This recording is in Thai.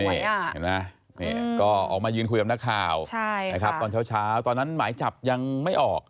เห็นไหมก็ออกมายืนคุยกับนักข่าวนะครับตอนเช้าตอนนั้นหมายจับยังไม่ออก